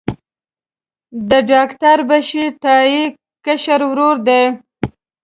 د ډاکټر بشیر تائي کشر ورور دی.